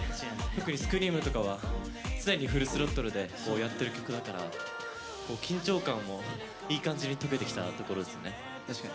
特に「Ｓｃｒｅａｍ」とかは常にフルスロットルでやってる曲だから、緊張感もいい感じに解けてきたところですね。